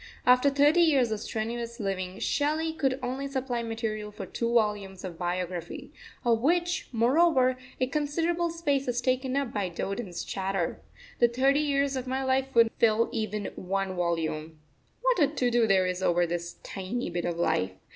After thirty years of strenuous living Shelley could only supply material for two volumes of biography, of which, moreover, a considerable space is taken up by Dowden's chatter. The thirty years of my life would not fill even one volume. What a to do there is over this tiny bit of life!